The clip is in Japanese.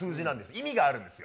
意味があるんですよ。